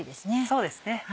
そうですね。